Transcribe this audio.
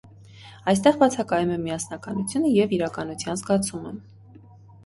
Այստեղ բացակայում է միասնականությունը և իրականության զգացումը։